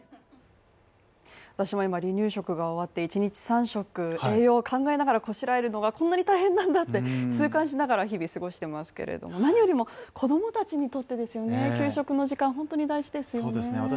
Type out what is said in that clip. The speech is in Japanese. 私も今、離乳食が終わって、一日３食、栄養考えながらこしらえるのがこんなに大変なんだって痛感しながら日々、過ごしていますけども何よりも子供たちにとってですよね、給食の時間、本当に大事ですよね。